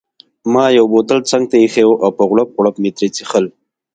ما بوتل څنګته ایښی وو او په غوړپ غوړپ مې ترې څیښل.